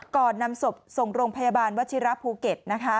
ก่อนนำศพส่งโรงพยาบาลวชิระภูเก็ต